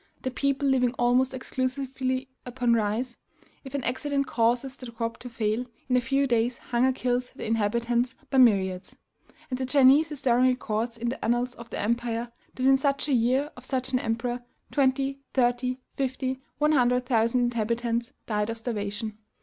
The people living almost exclusively upon rice, if an accident causes the crop to fail, in a few days hunger kills the inhabitants by myriads; and the Chinese historian records in the annals of the empire, that in such a year of such an emperor twenty, thirty, fifty, one hundred thousand inhabitants died of starvation.